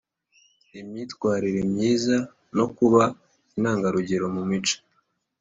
Imyitwarire myiza no kuba intangarugero mu mico